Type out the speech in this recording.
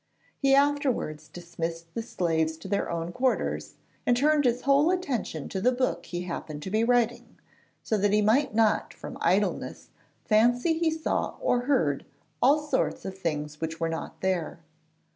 He afterwards dismissed the slaves to their own quarters, and turned his whole attention to the book he happened to be writing, so that he might not from idleness fancy he saw or heard all sorts of things which were not there.